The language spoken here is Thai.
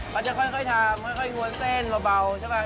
เขาจะค่อยทำค่อยงวนเต้นเบาใช่ไหม